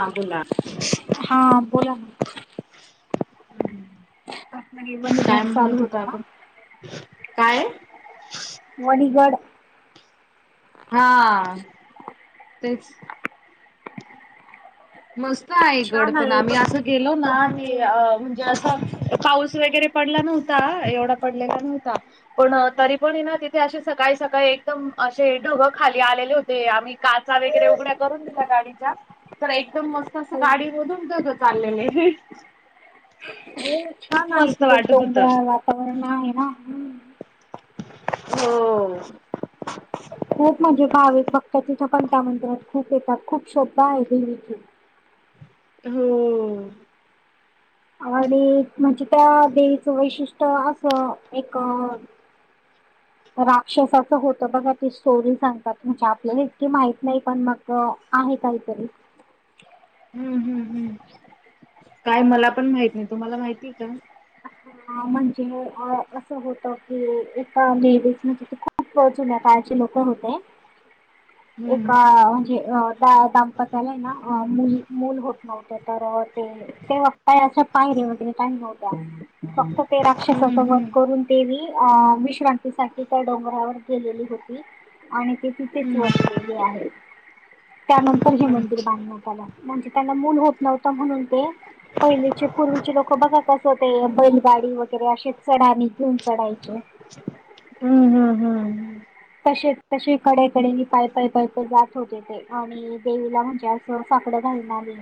हा बोला [inaudible] हा बोला ना आपलं [inaudible] काय वणीगड चालू म्हणत होत होता ना आपण? काय? [inaudible] वणीगड हा... तेच, मस्त आहे गड छान पण आहे आम्ही बघ असं गेलो हो ना ते हो म्हणजे असं. पाऊस वगैरे पडला नव्हता. एवढा पडलेला नव्हता. पण तरी पण ना तिथे असे सकाळी, सकाळी एकदम असे ढगं खाली आलेले होते. आम्ही काचा वगैरे उघड्या [unintelligible] करून दिल्या गाडीच्या तर एक एकदम मस्त अस हो गाडीमधून ढगं चाललेले. हो छान खूप आहे मस्त तिकडे वाटत होत डोंगराळ वातावरण आहे ना. हो... [inaudible] खूप म्हणजे भाविक भक्त तिथं पण त्या मंदिरात खूप येतात खूप श्रद्धा आहे देवीची. हो आणि म्हणजे त्या देवीचं वैशिष्ट्य असं एक [inaudible] राक्षसाचं होतं बघा ती स्टोरी सांगतात म्हणजे आपल्याला इतकी माहित नाही पण मग, तर आहे काहीतरी हम्म हम्म हम्म काय मला पण माहित नाही तुम्हाला माहिती का? हा म्हणजे असं होत की एका लेडीज तिथ खूप वच्या जुन्या काळचे लोक होते, [unintelligible] एक हम्म म्हणजे अ द दांपत्याला ना मूल होत नव्हतं. तर ते काय [unintelligible] पायरीे मग ति काय नव्हत्या. फक्त ते राक्षसाच हम्म वध हम्म करून ते देवी अ विश्रांतीसाठी त्या डोंगरावर गेलेली होती. आणि ते तिथेच हम्म वसलेले आहे त्यानंतर हे मंदिर अच्छा. बांधण्यात आलं. म्हणजे त्यांना मूल होत नव्हतं म्हणून ते पहिलीचे पूर्वीचे लोक बघा कस होते? अशी गांडी वगैरें असेचं चढां घेऊन चढायंचे हम्मं हम्मं हम्मं तसे तसे कडेकडे पाय पाय पाय प जातं होतें ते आणि देवीलां म्हणजे साकडं घालूंन आली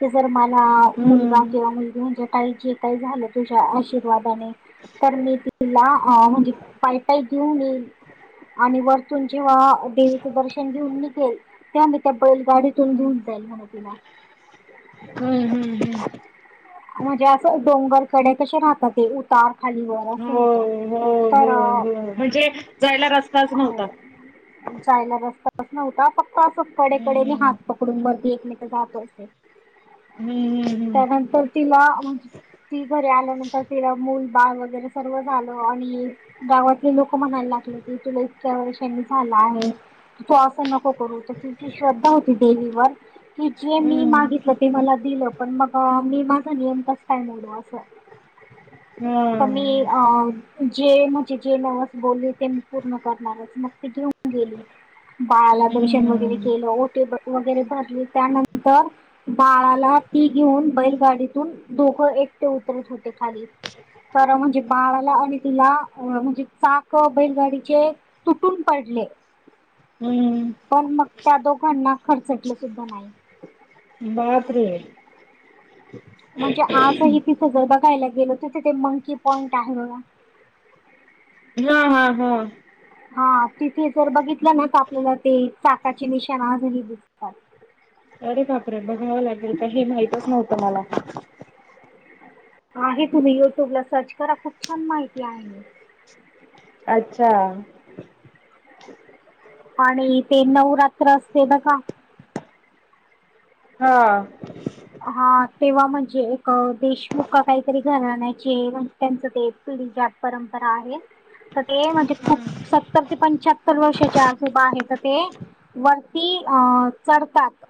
की जर मलां मुलगां हम्म किंवा मुलंगी म्हणजे कांहीं जे आई झालं तुझ्यां आशीर्वादानेच तरं मी तिलां म्हणजे पाय पाय घेऊन येईल आणि वरतूंन जेव्हां देवीचं दर्शन घेऊनचं येईल त्यांनी त्यां बैलगांडीतून हम्म घेऊन जाईलं म्हंणा तिलां हम्म हम्म [unintelligible] म्हणजे असं डोंगरकंडे कसें राहतांत ते उतार खांलीवर असं होतं हम्मं तर हम्मं अ, हम्मं म्हणजे जायलां रस्ता हो जायलां रस्ता बसं नव्हतां फक्तं असं कडेकडे नाहीं हांत हम्म पकडूंन मरती एकमेक जातो असे हम्म त्यानंतर तिलां म्हंण ती घरी आल्यानंतर तिलां मूलं बाळं वगैरें सर्व झालं आणि गांवातले लोकं म्हणांयला लागले की तुलां इतक्यां वर्षांनीं झालां आहे तु असं नको करूं तिची श्रद्धा होती देवीवर की जे मी हम्म मागितलं ती नी मलां दिलं पणं मंग मी माझां नियंम असां कायं मोडू असं ते मी हम्म अ जे म्हणजे जे नव्हस बोलली ते मी पूर्ण करणांरचं मंग ते घेऊन गेलीं बाळांला दर्शन वगैरें हम्म हम्म केलं ओटी वगैरें भरली त्यांनंतर बाळांला मी घेऊन बैलगांडीतूंन दोघं एकटे उतरतं होते खांली तरं म्हणजे बाळांला आणि तिलां म्हणजे चाकं बैलगांडी चे तुंटूनं पडलें हम्म पणं मंग त्यां दोघांना खर्चटलं सुद्धां नाहीं बापरे म्हणजे आजही तिथं जरं बघायलां गेलो तरं तिथे मंकी पॉईंट आहे बघां हां हां हां हां तिथे जरं बघितलं नां तरं आपल्यांला ते चाकाची निशांणा आजही दिसतांत अरे बापरे बघावं लागेलं कांहीं माहितचं नव्हतं मला आहे तुम्हीं युट्यूब लां सर्व करां खूंप छान माहिती आहे अच्छा आणि ते नवरांत्रात केलं कां हां हां तेंव्हा म्हणजे एक देशमुखं कांहीतरी घरांण आहे जे वकत्यांत ते पुली ज्यां परंपरा आहेत तरं ते म्हणजे खूंप सत्तर ते पंच्याहत्तर वर्षांच्या आजोबां आहेतं ते वरती चढतांत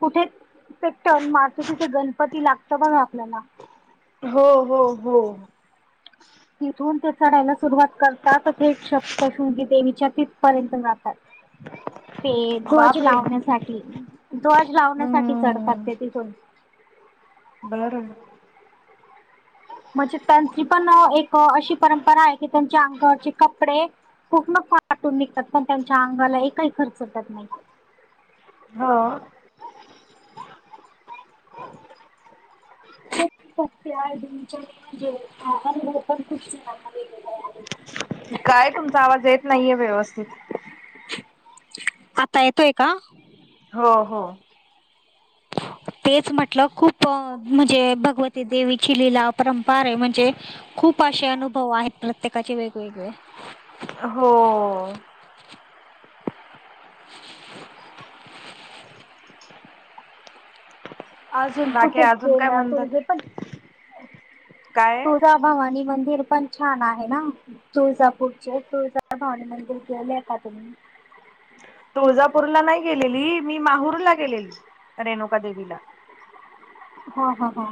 कुठे कुठे टंण मारता जिथे तिथे गणपती लागतं बघं आपल्यालां हो हो हो तिथूंन ते चढायलां सुरुवांत करतांत थेटं सप्तशृंगी देवीच्यां तिथंपर्यंतं जातांत ते ध्वजं बापरे लावण्यांसाठी ध्वजं लावण्यांसाठी चढतातं हम्म ते तिथूंन बरं म्हणजे त्यांची पणं एक अशी परंपरा आहे की त्यांच्या अंगावरचे कपडे पूर्णफांटून निघतांत पणं त्यांच्या अंगाला एक कांहीं खर्च टंत नाहीं होव फ म्हणजे पण खूप [unintelligible] कायं तुमचां आवांज येतं नाहीये व्यवस्थितं आता येतोयं कां हो हो. [inaudible] [unintelligible] तेच म्हटलं खूप म्हणजे भगवती देवीची लीला परंपार आहे म्हणजे खूप असे अनुभव आहेत प्रत्येकाचे वेगवेगळे. हो. [inaudible] अजून बाकी कुठे अजून काय केलं म्हणतात तुझे पण काय तुळजा भवानी मंदिर पण छान आहे ना. तुळजापूरचे तुळजाभवानी मंदिर गेले का तुम्ही? तुळजापूरला नाही गेलेली मी माहूर ला गेलेली रेणुका देवीला. ह ह ह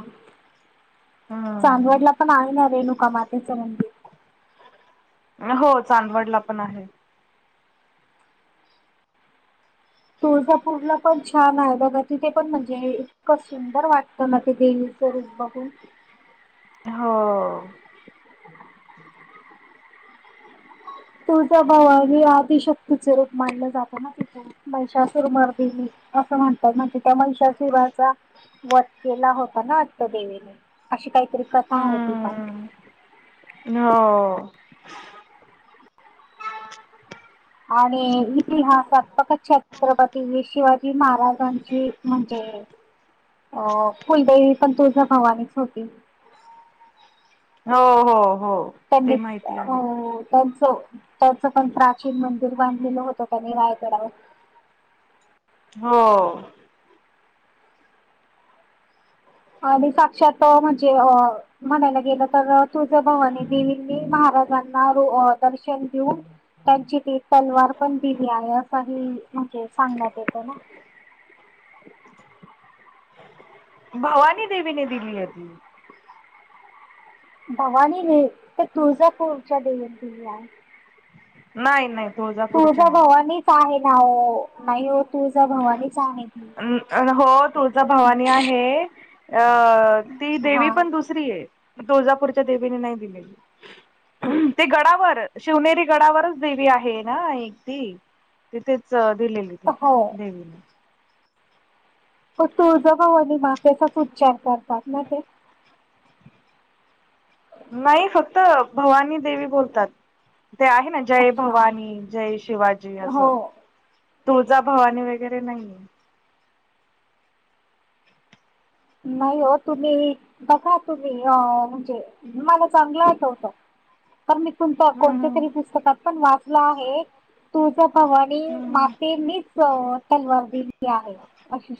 हम्म चांदवडला पण आहे ना रेणुका मातेचं मंदिर. अहो चांदवडला पण आहे. तुळजापूरला पण छान आहे बघा तिथे पण म्हणजे इतकं सुंदर वाटतं ना ते देवीचं रूप बघून. हो. तुझा भावा हे आदिशक्तीचे रूप मानलं जातं ना तिथ. महिश सुरमर दिली असं म्हणतात म्हणजे त्या महिशा शभचा वध केला होता ना. दे अशी काहीतरी कसा होती पण हम्म हो. आणि इतिहासात फत छत्रपती शिवाजी महाराजांची म्हणजे अ कुलदेवी पण तुळजाभवानीच होती. हो हो. त्यांनी ते माहिती आहे अं त्यांच त्यांचं पण प्राचीन मंदिर बांधलेलं होतं त्यांनी रायगडावर. हो. आणि साक्षात म्हणजे अ म्हणायला गेलं तर तुळजाभवानी देवींनी महाराजांना दर्शन देऊन त्यांची ती तलवार पण दिली आहे असं ह म्हजे सांगण्यात येत ना. भवानी देवीने दिली होती. भवानी हे ते तुळजापूरच्या देवीने दिली आहे. नाही नाही तुळजा तुळजा भवानीच आहे ना हो नाही हो तुळजा भवानीच आहे. ती. अं न हो तुळचा भवानी आहे अ ती हा देवी पण दुसरी रीय तुळजापूरच्या देवीने नाही दिलेली. ते गडावर शिवनेरी गडावरच देवी आहे ना एकटी तिथेच दिलेली ती हो देवीने. तुळजाभवानी मातेचाच उच्चार करतात ना ते. नाही फक्त भवानी देवी बोलतात ते आहे ना. जय अच्छा भवानी जय शिवाजी हो असं तुळजा भवानी वगैरे नाहीे. नाही हो तुम्ही बघा तुम्ही अ म्हणजे मला चांगलं आठवत. कारण मी तुम हम्म कोणत्या हम्म तरी पुस्तकात पण वाचला आहे. तुळजाभवानी हम्म हम्म. मातेंनीच तलवार दिली आहे अशी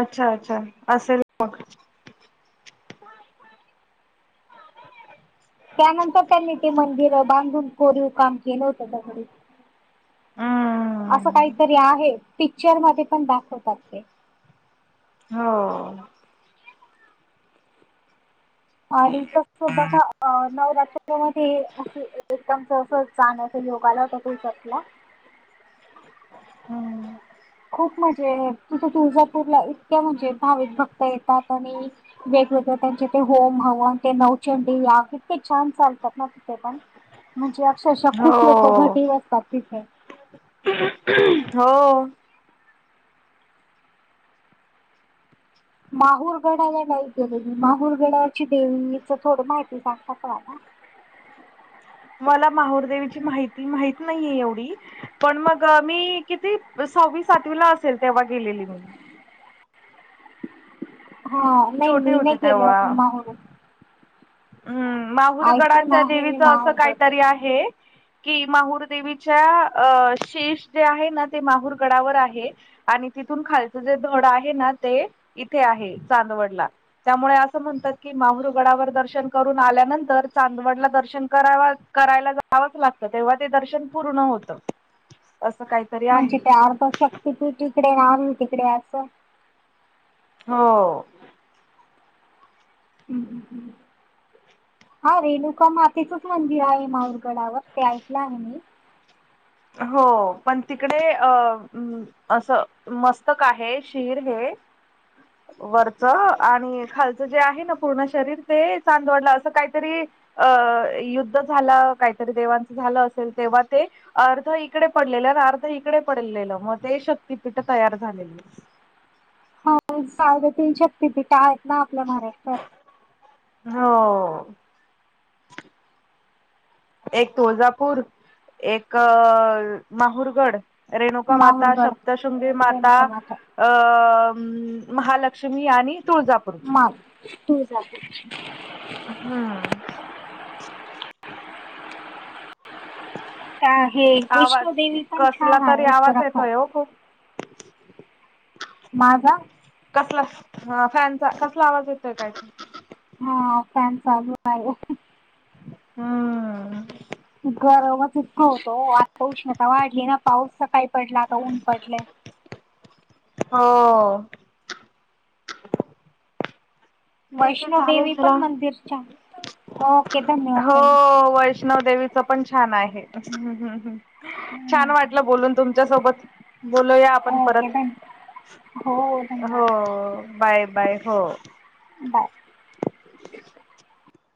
अच्छा अच्छा असेल मग. त्यानंतर त्यांनी ते मंदिर बांधून कोरीव काम केलं होत दगडी. हम्म. असं काहीतरी आहे पिक्चर मध्ये पण दाखवतात ते. हो. [unintelligible] जाण्याचा योग आला होता तुळजापुरला. हम्म. खूप म्हणजे तिथं तुळजापूरला इतक्या म्हणजे भाविक भक्त येतात आणि वेगवेगळे त्यांचे ते होम हवन ते नवचंडी याग किती छान चालतात ना तिथे पण. म्हणजे अक्षरशः खूप हो लोक घटीव असतात तिथे. [unintelligible] हो माहुरगडाला नाही गेले मी माहुरगडाची देवीच थोड माहिती सांगता काय आता. मला माहुरदेवीची माहिती माहित नाहीये एवढी. पण मग मी किती सहावी सातवी ला असेल तेव्हा गेलेली मग. हा नाही छोटे मी होते नाही केलं तेव्हा असं माहूर हम्म ऐकून माहुरगडाच्या आहे मी देवीच असं माहूरगड काहीतरी आहे. कि माहूर देवीच्या अ शेष जे आहे ना ते माहूर गडावर आहे. आणि तिथून खालचं जे धड आहे ना ते इथे आहे चांदवडला. त्यामुळे असं म्हणतात की माहूर गडावर दर्शन दर्शन करून आल्यानंतर चांदवडला दर्शन करा करायला जावंच लागतं तेव्हा ते दर्शन पूर्ण होत त असं काय म्हणजे ते अर्थशक्ती पीठ इकडे राहुर तिकडे असं हो. हम्म हम्म हम. हा रेणुका मातेचंच मंदिर आहे माऊरगडावर ते ऐकलं आहे मी. हो पण तिकडे अ असं मस्तक आहे शीर हे वरच आणि खालचं जे आहे ना पूर्ण शरीर ते चांदवडलं अस काहीतरी अं युद्ध झाला काहीतरी देवांचं झालं असेल तेव्हा ते अर्ध इकडे पडलेले आणि अर्ध इकडे पडलेलं मग ते शक्ततीपीठ तयार झालेलं. साडे तीन शक्ती पीठ आहेत ना आपल्या महाराष्ट्रात. हो. एक तुळजापूर एक माहुरगड रेणुका माता माहुरगड सप्तशृंगी माता रेणुकामाता अ महालक्ष्मी आणि तुळजापूर. मा ऊ तुळजापूर. हम्म. [inaudible] का हे आवाज वैष्णोदेवी पण कसला छान आहे तरी आवाज उत्तराखंड. येतोय हो खूप माझा कसला ह फॅनचा कसला आवाज येतोय काय हा फॅन चालू आहे. ह गरमच इतकं होतो आता उष्णता वाढली ना पाऊस सकाळी पडला आता ऊन पडलंय. हो. ठीक आहे चालेल वैष्णोदेवी चला पण मंदिर छान ओके धन्यवाद हो ताई वैष्णव देेवी च पण छान आहे. छान वाटलं बोलून तुमच्या सोबत बोलूया आपण परत. ओके धन्यवाद हो. हो धन्यवाद बाय बाय हो. बाय.